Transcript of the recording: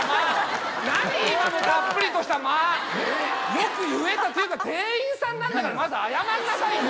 よく言えたっていうか店員さんなんだからまず謝んなさいよ！